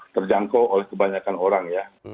terjangkau oleh kebanyakan orang ya